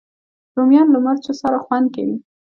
رومیان له مرچو سره خوند کوي